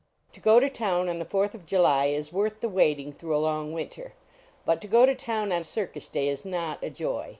To go to town on the fourth of July is worth the waiting through a long winter. But to go to town on circus day is not a joy.